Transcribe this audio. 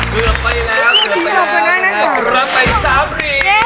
เกลือไปแล้วเกลือไปแล้วรับไปสามรีขอบคุณนะฮะขอบคุณหล่อเพื่อนด้วยนะครับ